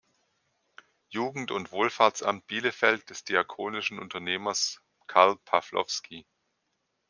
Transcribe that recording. Jugend- und Wohlfahrtsamt Bielefeld des diakonischen Unternehmers Karl Pawlowski.